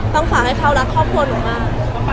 ต้องฝากให้เขารักครอบครัวหนูมาก